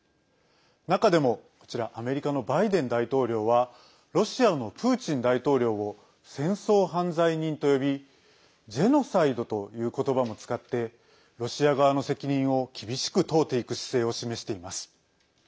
中でも、こちらアメリカのバイデン大統領はロシアのプーチン大統領を戦争犯罪人と呼びジェノサイドということばも使ってロシア側の責任を厳しく問うていく姿勢を示しています。